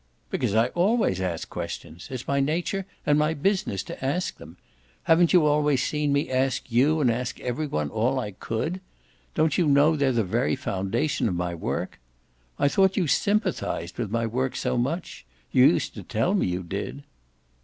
"Because I always ask questions it's my nature and my business to ask them. Haven't you always seen me ask you and ask every one all I could? Don't you know they're the very foundation of my work? I thought you sympathised with my work so much you used to tell me you did."